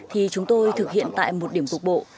thì chúng tôi thực hiện tại một điểm cục bộ